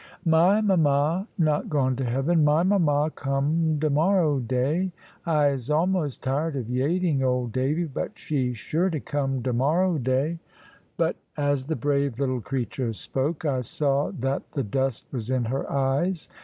"My mama not gone to heaven. My mama come demorrow day. I'se almost tired of yaiting, old Davy, but she sure to come demorrow day." But as the brave little creature spoke, I saw that "the dust was in her eyes."